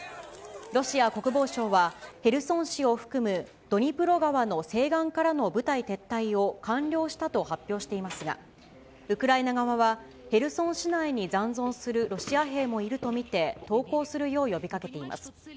ロシア国防省は、ヘルソン市を含むドニプロ川の西岸からの部隊撤退を完了したと発表していますが、ウクライナ側はヘルソン市内に残存するロシア兵もいると見て、投降するよう呼びかけています。